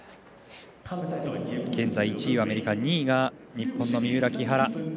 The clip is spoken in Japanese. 現在１位はアメリカ２位は日本の三浦、木原。